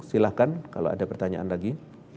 silahkan kalau ada pertanyaan lagi